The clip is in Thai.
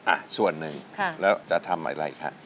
อ่ะส่วนหนึ่งแล้วจะทำอะไรคะ